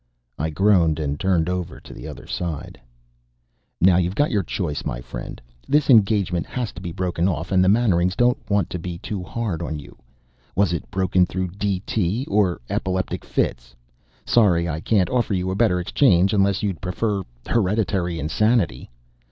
I groaned and turned over to the other side. "Now you've got your choice, my friend. This engagement has to be broken off; and the Mannerings don't want to be too hard on you. Was it broken through D. T. or epileptic fits? Sorry I can't offer you a better exchange unless you'd prefer hereditary insanity.